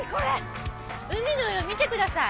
海の色見てください。